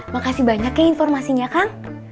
makasih banyak ya informasinya kang